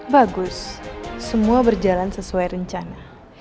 bagus semua berjalan sesuai rencana